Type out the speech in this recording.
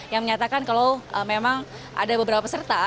yang menyatakan kalau memang ada beberapa peserta